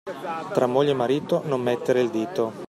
Tra moglie e marito non mettere il dito.